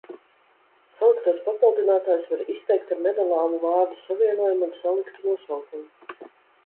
Saliktos papildinātājus var izteikt ar nedalāmu vārdu savienojumu un saliktu nosaukumu.